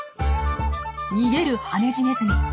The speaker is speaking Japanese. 逃げるハネジネズミ。